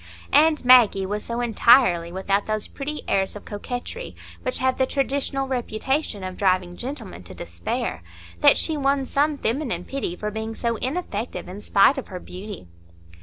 And Maggie was so entirely without those pretty airs of coquetry which have the traditional reputation of driving gentlemen to despair that she won some feminine pity for being so ineffective in spite of her beauty.